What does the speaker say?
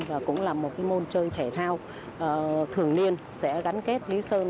và cũng là một môn chơi thể thao thường niên sẽ gắn kết lý sơn